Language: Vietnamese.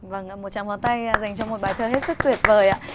vâng một tràng pháo tay dành cho một bài thơ hết sức tuyệt vời ạ